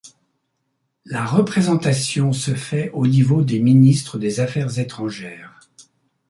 La représentation se fait au niveau des ministres des affaires étrangères.